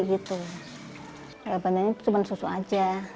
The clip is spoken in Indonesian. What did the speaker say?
bantuan ini cuma susu saja